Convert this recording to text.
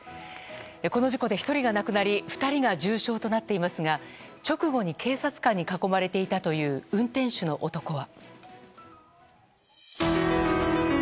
この事故で１人が亡くなり、２人が重傷となっていますが、直後に警察官に囲まれていたという運転手の男は。